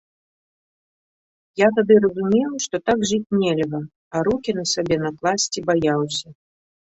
Я тады разумеў, што так жыць нельга, а рукі на сябе накласці баяўся.